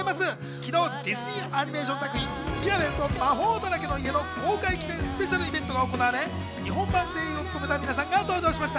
きのう、ディズニーアニメーション作品『ミラベルと魔法だらけの家』の公開記念スペシャルイベントが行われ、日本版声優を務めた皆さんが登場しました。